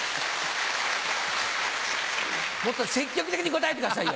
もっと積極的に答えてくださいよ。